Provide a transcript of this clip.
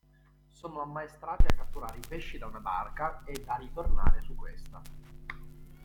Sono ammaestrati a catturare i pesci da una barca ed a ritornare su questa.